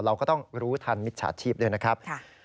เราก็ต้องรู้ทันมิจฉาชีพด้วยนะครับ